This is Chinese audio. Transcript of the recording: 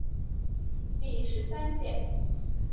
第十三届